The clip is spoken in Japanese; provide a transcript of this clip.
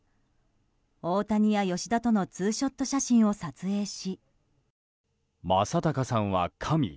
大谷や吉田とのツーショット写真を撮影し。